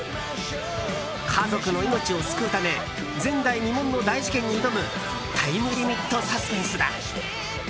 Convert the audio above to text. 家族の命を救うため前代未聞の大事件に挑むタイムリミットサスペンスだ。